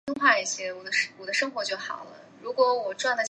他是世界上任职时间最长的现任首相。